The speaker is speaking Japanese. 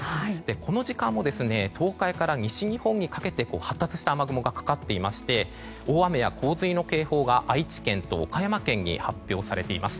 この時間も東海から西日本にかけて発達した雨雲がかかっていまして大雨や洪水の警報が愛知県と岡山県に発表されています。